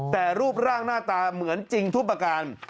แต่รูปร่างหน้าตาเหมือนจริงทุกประการ